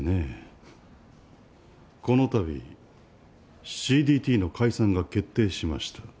ふっこの度ＣＤＴの解散が決定しました。